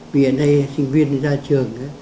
vì hiện nay sinh viên ra trường